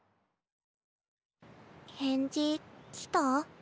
返事来た？